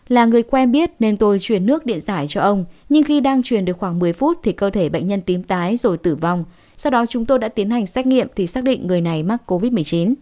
là người quen biết nên tôi chuyển nước điện giải cho ông nhưng khi đang truyền được khoảng một mươi phút thì cơ thể bệnh nhân tím tái rồi tử vong sau đó chúng tôi đã tiến hành xét nghiệm thì xác định người này mắc covid một mươi chín